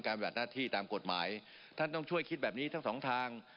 ปฏิบัติหน้าที่ตามกฎหมายท่านต้องช่วยคิดแบบนี้ทั้งสองทาง